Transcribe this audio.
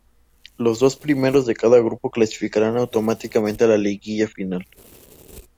Los dos primeros de cada grupo clasificarán automáticamente a la Liguilla Final.